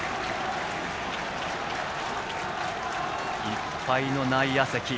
いっぱいの内野席。